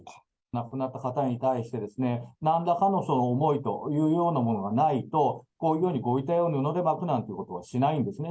亡くなった方に対して、なんらかの思いというようなものがないと、こういうようにご遺体を布で巻くなんてことはしないんですね。